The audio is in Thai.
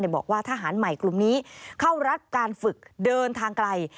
บอกว่าทหารใหม่กลุ่มนี้เข้ารับการฝึกเดินทางไกล